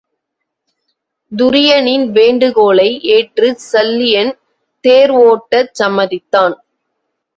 துரியனின் வேண்டுகோளை ஏற்றுச் சல்லியன் தேர் ஒட்டச் சம்மதித்தான்.